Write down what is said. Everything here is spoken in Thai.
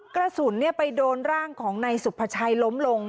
กระสุนไปโดนร่างของนายสุภาชัยล้มลง